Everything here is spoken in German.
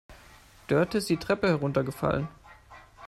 Dörte ist die Treppe heruntergefallen.